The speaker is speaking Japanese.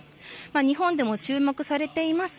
日本でも注目されています